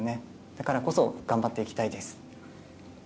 だからこそ頑張っていきたいです。